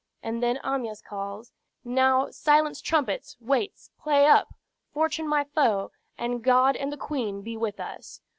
And then Amyas calls: "Now, silence trumpets, waits, play up! 'Fortune my foe!' and God and the Queen be with us!"